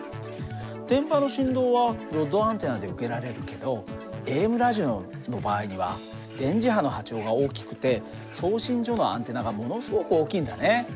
電場の振動はロッドアンテナで受けられるけどＡＭラジオの場合には電磁波の波長が大きくて送信所のアンテナがものすごく大きいんだね。